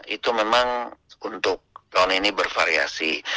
itu memang untuk tahun ini bervariasi